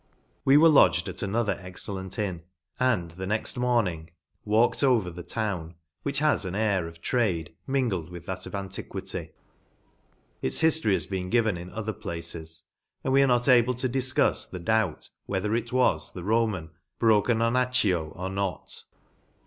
We were lodged at another excellent inn, and, the next morning, walked over the town, which has an air of trade min gled with that of antiquity. Its hiftory has been ao6 ENGLAND. been given in other places, and we are riot able to difcufs the doubt, whether it wad the Roman Brocanonaclo^ or not.